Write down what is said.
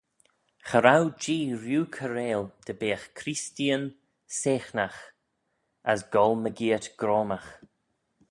Cha row Jee rieau kiarail dy beagh creesteeyn seaghnagh as goll mygeayrt groamagh.